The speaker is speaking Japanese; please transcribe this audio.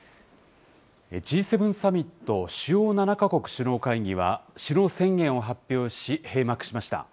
Ｇ７サミット・主要７か国首脳会議は、首脳宣言を発表し、閉幕しました。